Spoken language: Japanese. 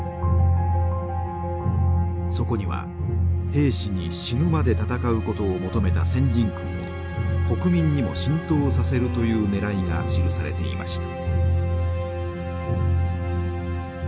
そこには兵士に死ぬまで戦うことを求めた戦陣訓を国民にも浸透させるというねらいが記されていました。